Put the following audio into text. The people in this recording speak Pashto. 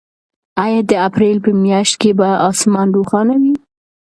آیا د اپریل په میاشت کې به اسمان روښانه وي؟